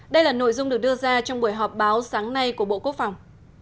đây là nội dung được đưa ra trong buổi họp báo sáng nay của bộ quốc phòng